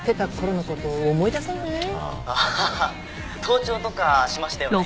盗聴とかしましたよね。